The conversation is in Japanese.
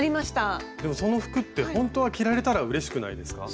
でもその服ってほんとは着られたらうれしくないですか？